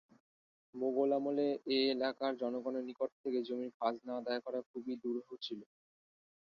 মোগল আমলে এ এলাকার জনগণের নিকট থেকে জমির খাজনা আদায় করা খুবই দুরূহ ছিল।